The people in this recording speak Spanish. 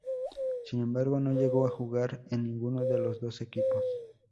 Sin embargo, no llegó a jugar en ninguno de los dos equipos.